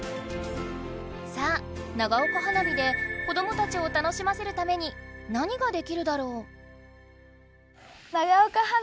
さあ長岡花火で子どもたちを楽しませるために何ができるだろう？